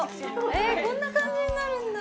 ◆ええっ、こんな感じになるんだ。